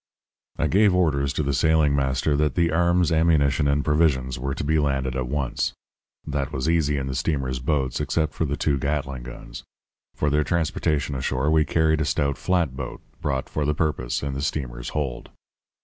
"I gave orders to the sailing master that the arms, ammunition, and provisions were to be landed at once. That was easy in the steamer's boats, except for the two Gatling guns. For their transportation ashore we carried a stout flatboat, brought for the purpose in the steamer's hold.